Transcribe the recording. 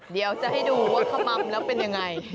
เดี๋ยวจะให้ดูว่าขมัมแล้วเป็นยังไง